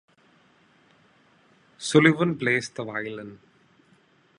Sullivan plays the violin.